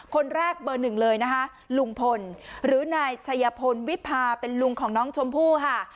คนแรกเบอร์หนึ่งเลยนะคะลุงพลหรือนายชัยพลวิพาเป็นลุงของน้องชมพู่ค่ะ